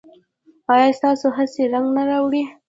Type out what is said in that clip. ایا ستاسو هڅې رنګ نه راوړي؟